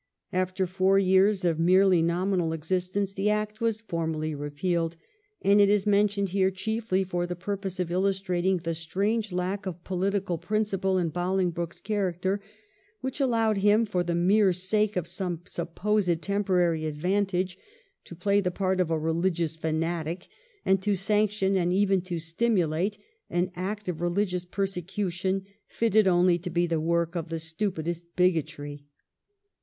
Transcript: After four years of merely nominal existence the Act was formally repealed, and it is mentioned here chiefly for the purpose of illustrating the strange lack of political principle in Bolingbroke's character which allowed him, for the mere sake of some supposed temporary advantage, to play the part of a rehgious fanatic, and to sanction and even to stimulate an act of religious persecution fitted only to be the work of the stupidest bigotry.